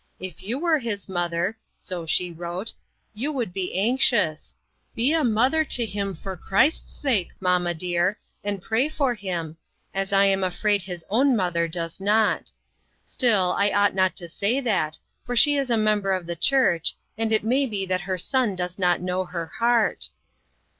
If you were his mother," so she 256 INTERRUPTED. wrote, "you would be anxious. Be a mother to him for Christ's sake, mamma dear, and pray for him, as I am afraid his own mother does not. Still, I ought not to say that, for she is a member of the church, and it may be that her son does not know her heart."